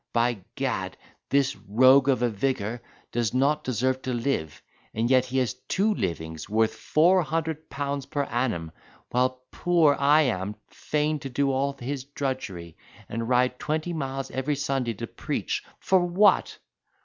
By gad, this rogue of a vicar does not deserve to live; and yet he has two livings worth four hundred pounds per annum, while poor I am fain to do all his drudgery, and ride twenty miles every Sunday to preach—for what?